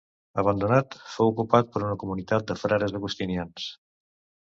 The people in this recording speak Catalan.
Abandonat, fou ocupat per una comunitat de frares agustinians.